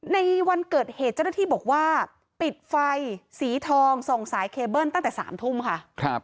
ในวันเกิดเหตุเจ้าหน้าที่บอกว่าปิดไฟสีทองส่งสายเคเบิ้ลตั้งแต่๓ทุ่มค่ะ